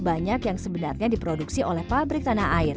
banyak yang sebenarnya diproduksi oleh pabrik tanah air